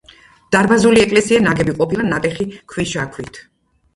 დარბაზული ეკლესია ნაგები ყოფილა ნატეხი ქვიშაქვით.